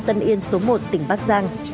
tân yên số một tỉnh bắc giang